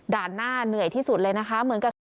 ด่านหน้าเหนื่อยที่สุดเลยนะคะ